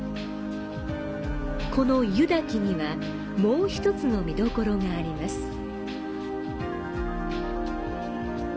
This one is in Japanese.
この湯滝には、もう１つの見どころがあります。